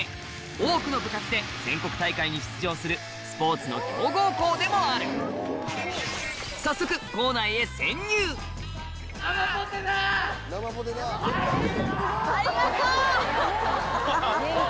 多くの部活で全国大会に出場するスポーツの強豪校でもある早速ありがとう！